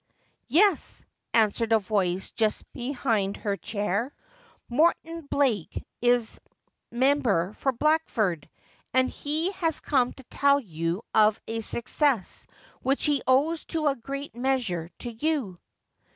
' Yes,' answered a voice just behind her chair, ' Morton Biakj is member for Blackford, and he has come to tell you of a success which he owes in a great measure to you.'